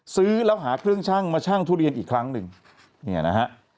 ซื้อแล้วหาเครื่องชั่งมาชั่งทุเรียนอีกครั้งหนึ่งเนี่ยนะฮะ